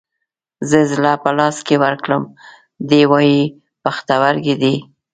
زه زړه په لاس کې ورکړم ، دى واي پښتورگى دى.